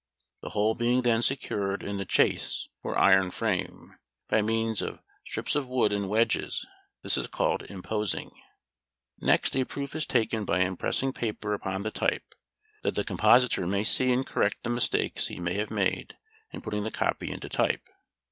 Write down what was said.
The whole being then secured in the "chase," or iron frame, by means of strips of wood and wedges. This is called "imposing." Next, a "proof" is taken by impressing paper upon the type, that the compositor may see and correct the mistakes he may have made in putting the copy into type.